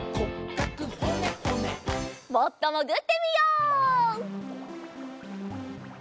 もっともぐってみよう。